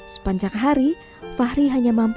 sepanjang hari fahri hanya mampu